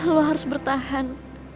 lo harus bertahan